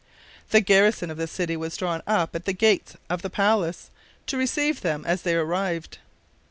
The garrison of the city was drawn up at the gates of the palace, to receive them as they arrived.